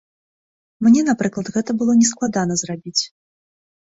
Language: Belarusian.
Мне, напрыклад, гэта было не складана зрабіць.